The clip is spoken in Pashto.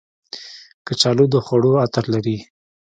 کچالو د خوړو عطر لري